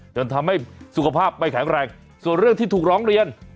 จนทำให้สุขภาพไม่แข็งแรงส่วนเรื่องที่ถูกร้องเรียน